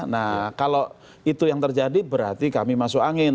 nah kalau itu yang terjadi berarti kami masuk angin